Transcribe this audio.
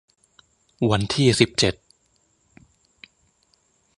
วันที่ สิบเจ็ด